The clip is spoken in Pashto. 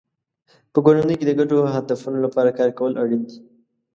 په کورنۍ کې د ګډو هدفونو لپاره کار کول اړین دی.